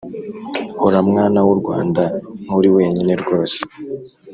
hora mwana w’u rwanda nturi wenyine rwose